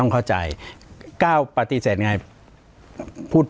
ปากกับภาคภูมิ